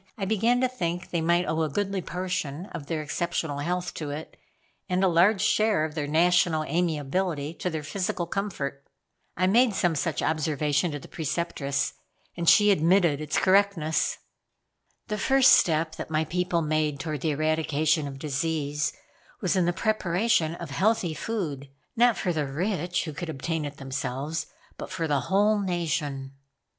I began to think they might owe a goodly portion of their exceptional health to it, and a large share of their national amiability to their physical comfort. I made some such observation to the Preceptress, and she admitted its correctness. "The first step that my people made toward the eradication of disease was in the preparation of healthy food; not for the rich, who could obtain it themselves, but for the whole nation."